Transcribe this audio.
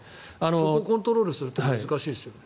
そこをコントロールするって難しいですよね。